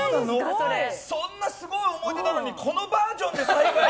そんなすごい思い出なのにこのバージョンでの再会